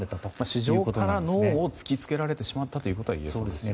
市場からノーを突き付けられてしまったというのはいえそうですね。